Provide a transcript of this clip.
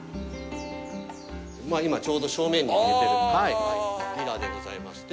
今、ちょうど正面に見えているヴィラでございまして。